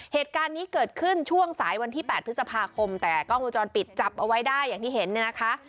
เหตุการณ์นี้เกิดขึ้นช่วงสายวันที่๘พฤษภาคมแต่กล้องวงจรปิดจับเอาไว้ได้อย่างที่เห็นเนี่ยนะคะ